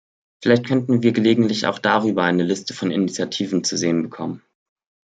Vielleicht könnten wir gelegentlich auch darüber eine Liste von Initiativen zu sehen bekommen.